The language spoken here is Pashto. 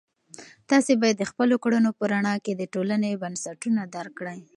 تاسې باید د خپلو کړنو په رڼا کې د ټولنې بنسټونه درک کړئ.